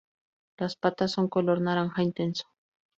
Las patas son color naranja intenso.